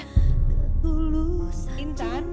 tante cerita semuanya